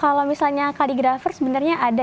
kalau misalnya kaligrafer sebenarnya ada